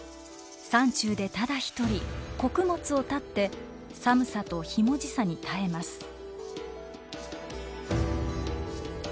山中でただ一人穀物を断って寒さとひもじさに耐えます。